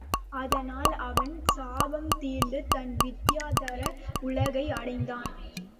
அதனால் அவன் சாபம் தீர்ந்து தன் வித்தியாதர உலகை அடைந்தான்.